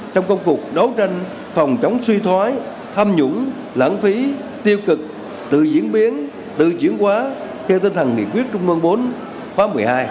trong công cuộc đấu tranh phòng chống suy thoái tham nhũng lãng phí tiêu cực tự diễn biến tự chuyển quá theo tinh thần nghị quyết trung mương bốn khóa một mươi hai